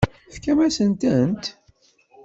Tefkam-asent-tent?